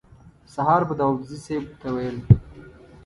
سهار به داوودزي صیب ته ویل.